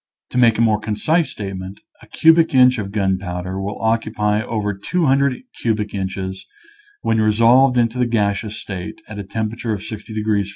To make a more concise statement, a cubic inch of gunpowder will occupy over 200 cubic inches when re solved into the gaseous state, at a temperature of 60 degrees F.